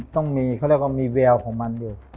ต้องมีคือเรียกว่ามีคลิ้มนวกดของมีมันอยู่